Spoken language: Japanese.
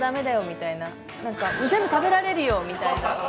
みたいな、全部食べられるよ！みたいな。